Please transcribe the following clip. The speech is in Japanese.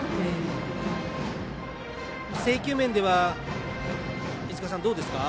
制球面では飯塚さんどうですか？